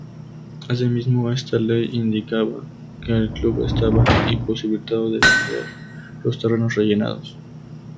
Asimismo esta ley indicaba que el club estaba imposibilitado de vender los terrenos rellenados.